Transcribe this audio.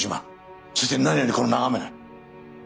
そして何よりこの眺めだ。